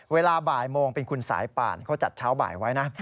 เวลาบ่ายโมงเป็นคุณสายป่านเขาจัดเช้าบ่ายไว้นะ